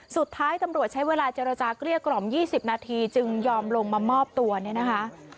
สุดท้ายตำรวจใช้เวลาเจรจาเกลี้ยกล่อม๒๐นาทีจึงยอมลงมามอบตัวเนี่ยนะคะ